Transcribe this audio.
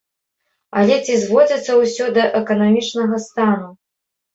Але ці зводзіцца ўсё да эканамічнага стану?